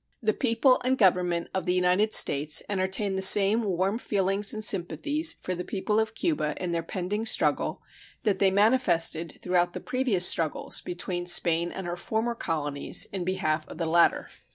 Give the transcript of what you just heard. The people and Government of the United States entertain the same warm feelings and sympathies for the people of Cuba in their pending struggle that they manifested throughout the previous struggles between Spain and her former colonies in behalf of the latter.